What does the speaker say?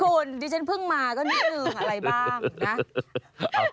คุณดิฉันเพิ่งมาก็นิดนึงอะไรบ้างนะ